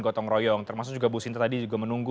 gotong royong termasuk juga bu sinta tadi juga menunggu